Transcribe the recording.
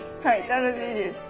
楽しいです。